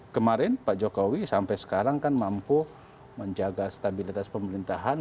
kemarin pak jokowi sampai sekarang kan mampu menjaga stabilitas pemerintahan